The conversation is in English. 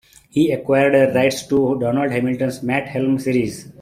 He acquired the rights to Donald Hamilton's Matt Helm series.